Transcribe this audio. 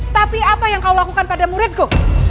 tapi apa yang kau lakukan pada muridku